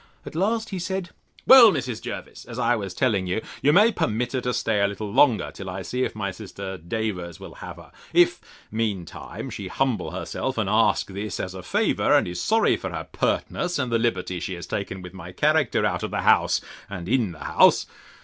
At last he said, Well, Mrs. Jervis, as I was telling you, you may permit her to stay a little longer, till I see if my sister Davers will have her; if, mean time, she humble herself, and ask this as a favour, and is sorry for her pertness, and the liberty she has taken with my character out of the house, and in the house.